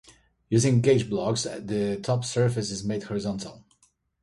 Using gauge blocks, the top surface is made horizontal.